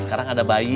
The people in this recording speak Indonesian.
sekarang ada bayi